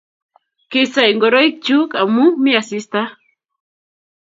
Kisai ingoroik chuk amu mi asista.